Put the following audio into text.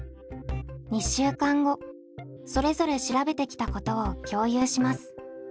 それぞれ調べてきたことを共有します。